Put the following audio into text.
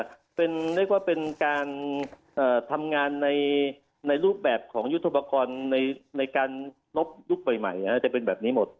เรียกว่าเป็นการทำงานในรูปแบบของยุทธปกรณ์ในการลบยุคใหม่จะเป็นแบบนี้หมด